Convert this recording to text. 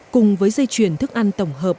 cùng với dây chuyển thức ăn tổng hợp